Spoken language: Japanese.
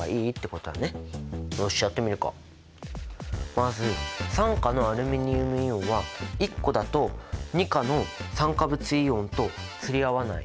まず３価のアルミニウムイオンは１個だと２価の酸化物イオンと釣り合わない。